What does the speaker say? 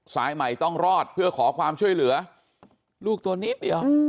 สายใหม่ต้องรอดเพื่อขอความช่วยเหลือลูกตัวนิดเดียว